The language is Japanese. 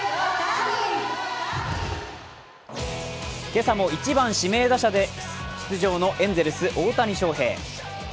今朝も１番・指名打者で出場のエンゼルス・大谷翔平。